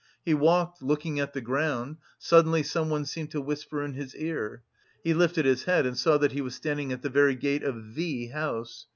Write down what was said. He walked, looking at the ground; suddenly someone seemed to whisper in his ear; he lifted his head and saw that he was standing at the very gate of the house.